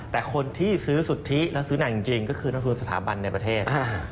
แต่คนที่ซื้อสุทธิและซื้อหนักจริงก็คือนักทุนสถาบันในประเทศ